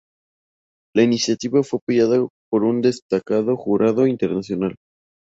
La iniciativa fue apoyada por un destacado jurado internacional.